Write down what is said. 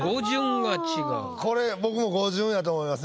これ僕も語順やと思いますね。